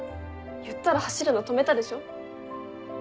言ったら走るの止めたでしょ？